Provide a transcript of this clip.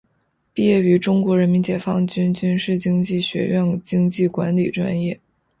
毕业于中国人民解放军军事经济学院经济管理专业。